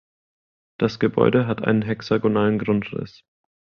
Das Gebäude hat einen hexagonalen Grundriss.